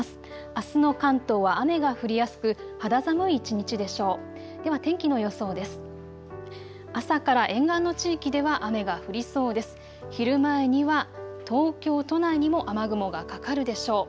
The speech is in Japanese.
あすの関東は雨が降りやすく肌寒い一日でしょう。